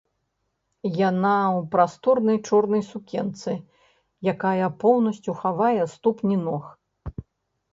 Яна ў прасторнай чорнай сукенцы, якая поўнасцю хавае ступні ног.